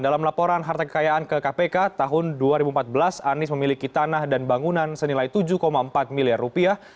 dalam laporan harta kekayaan ke kpk tahun dua ribu empat belas anies memiliki tanah dan bangunan senilai tujuh empat miliar rupiah